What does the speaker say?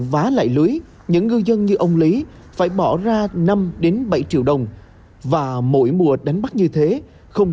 vá lại lưới những ngư dân như ông lý phải bỏ ra năm bảy triệu đồng và mỗi mùa đánh bắt như thế không